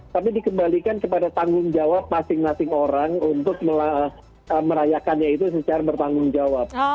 tapi dikembalikan kepada tanggung jawab masing masing orang untuk merayakannya itu secara bertanggung jawab